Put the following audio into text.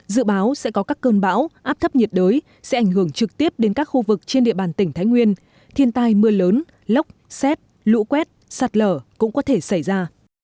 dự báo sẽ có các cơn bão áp thấp nhiệt đới sẽ ảnh hưởng trực tiếp đến các khu vực trên địa bàn tỉnh thái nguyên thiên tai mưa lớn lốc xét lũ quét sạt lở cũng có thể xảy ra